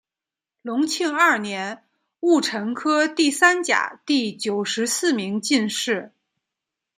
隆庆二年戊辰科第三甲第九十四名进士。